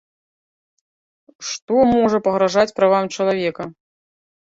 Што можа пагражаць правам чалавека?